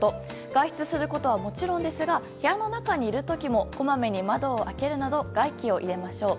外出することはもちろんですが部屋の中にいる時もこまめに窓を開けるなど外気を入れましょう。